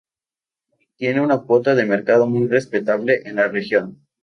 Hoy, tiene una cuota de mercado muy respetable en la región.